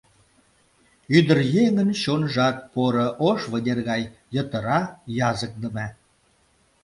Ӱдыръеҥын чонжат поро, ош вынер гай йытыра, языкдыме.